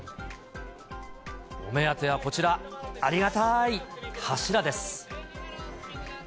お目当てはこちら、ありがたい柱です。